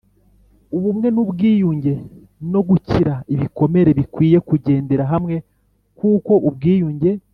Ubumwe n ubwiyunge no gukira ibikomere bikwiye kugendera hamwe kuko ubwiyunge